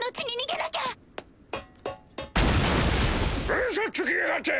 うそつきやがって！